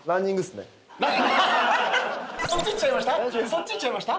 そっちいっちゃいました？